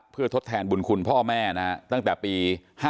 เพื่อทดแทนบุญคุณพ่อแม่ตั้งแต่ปี๕๗